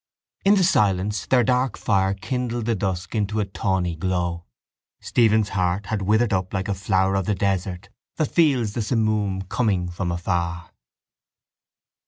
In the silence their dark fire kindled the dusk into a tawny glow. Stephen's heart had withered up like a flower of the desert that feels the simoom coming from afar.